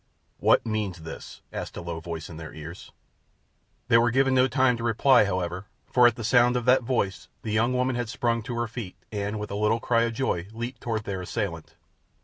"What means this?" asked a low voice in their ears. They were given no time to reply, however, for at the sound of that voice the young woman had sprung to her feet and with a little cry of joy leaped toward their assailant.